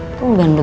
udah lebih jauh